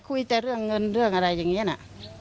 คุยแต่เรื่องเงินเรื่องอะไรอย่างนี้นะ